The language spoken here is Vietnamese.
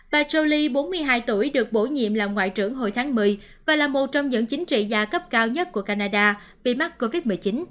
bà soli bốn mươi hai tuổi được bổ nhiệm làm ngoại trưởng hồi tháng một mươi và là một trong những chính trị gia cấp cao nhất của canada bị mắc covid một mươi chín